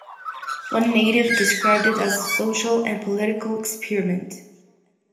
One native described it as a social and political experiment.